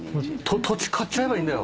土地買っちゃえばいいんだよ。